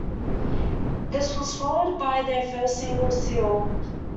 This was followed by their first single, "Seoul".